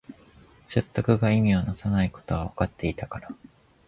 説得が意味をなさないことはわかっていたから